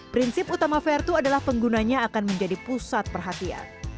prinsip utama vertu adalah penggunanya akan menjadi pusat perhatian